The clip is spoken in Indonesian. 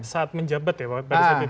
saat menjabat ya pak anies